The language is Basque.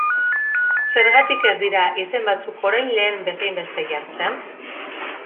Zergatik ez dira izen batzuk orain lehen bezainbeste jartzen?